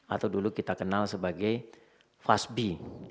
atau dulu kita kenal sebagai fasbi